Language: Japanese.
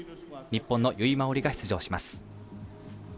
日本の由井真緒里が出場します。